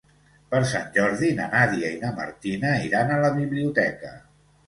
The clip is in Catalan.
Per Sant Jordi na Nàdia i na Martina iran a la biblioteca.